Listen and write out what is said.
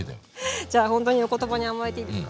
じゃあほんとにお言葉に甘えていいですか？